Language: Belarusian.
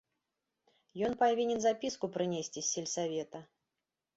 Ён павінен запіску прынесці з сельсавета.